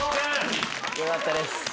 よかったです。